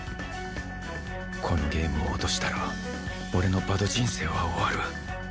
このゲームを落としたら俺のバド人生は終わる